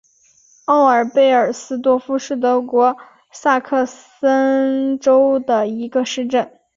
奥尔贝尔斯多夫是德国萨克森州的一个市镇。